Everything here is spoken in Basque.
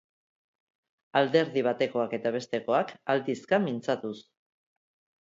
Alderdi batekoak eta bestekoak aldizka mintzatuz.